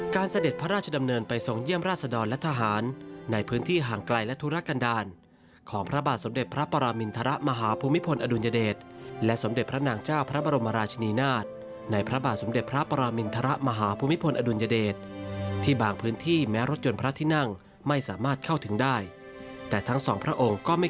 เสด็จพระราชดำเนินไปทรงเยี่ยมราชดรและทหารในพื้นที่ห่างไกลและธุรกันดาลของพระบาทสมเด็จพระปรามินทรมาฮภูมิพลอดุลยเดชและสมเด็จพระนางเจ้าพระบรมราชนีนาฏในพระบาทสมเด็จพระปรามินทรมาหาภูมิพลอดุลยเดชที่บางพื้นที่แม้รถยนต์พระที่นั่งไม่สามารถเข้าถึงได้แต่ทั้งสองพระองค์ก็ไม่